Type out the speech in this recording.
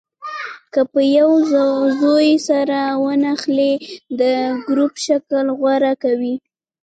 که په یوه زاویه سره ونښلي د ګروپ شکل غوره کوي.